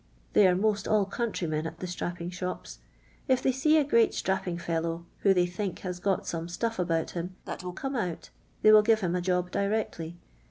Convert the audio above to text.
They are most all countrymen at the strapping shops. If they see a great strapping fellow, who they think has got some stuff about him that will come out, they will give him a job directly.